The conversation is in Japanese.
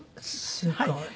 すごい。